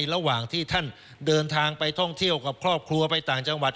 ระหว่างที่ท่านเดินทางไปท่องเที่ยวกับครอบครัวไปต่างจังหวัด